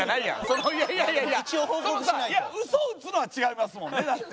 そのさいやウソを打つのは違いますもんねだって。